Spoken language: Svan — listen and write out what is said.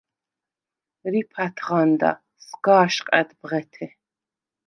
რიფ ათღანდა, სგა̄შყა̈დ ბღეთე.